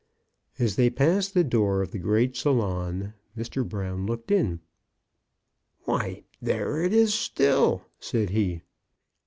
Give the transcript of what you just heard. As they passed the door of the great salon, Mr. Brown looked in. " Why, there it is still !" said he.